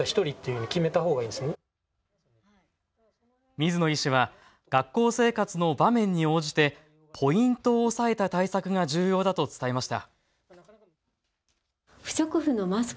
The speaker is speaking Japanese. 水野医師は学校生活の場面に応じてポイントを押さえた対策が重要だと伝えました。